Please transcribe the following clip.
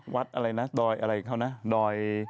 วัดอะไรนะดอยเด้อย